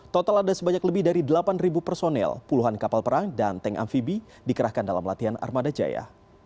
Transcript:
total ada sebanyak lebih dari delapan personel puluhan kapal perang dan tank amfibi dikerahkan dalam latihan armada jaya